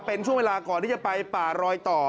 เป็นช่วงเวลาก่อนที่จะไปป่ารอยต่อ